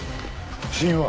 死因は？